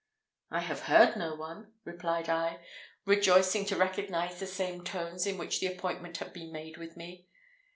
"I have heard no one," replied I, rejoicing to recognise the same tones in which the appointment had been made with me.